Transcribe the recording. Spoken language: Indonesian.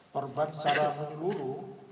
korban secara meluru